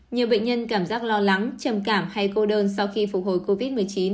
nhiều bệnh nhân cảm giác lo lắng trầm cảm hay cô đơn sau khi phục hồi covid một mươi chín